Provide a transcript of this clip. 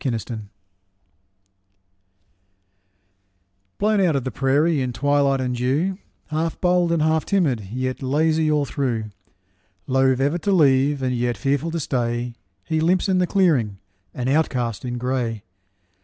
COYOTE Blown out of the prairie in twilight and dew, Half bold and half timid, yet lazy all through; Loath ever to leave, and yet fearful to stay, He limps in the clearing, an outcast in gray.